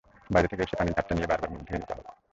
বাইরে থেকে এসে পানির ঝাপটা দিয়ে বারবার মুখ ধুয়ে নিতে হবে।